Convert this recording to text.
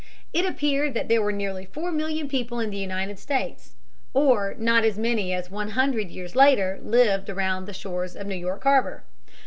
It appeared that there were nearly four million people in the United States, or not as many as one hundred years later lived around the shores of New York harbor.